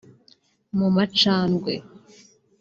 mu macandwe